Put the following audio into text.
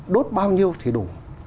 đốt bao nhiêu thì đủ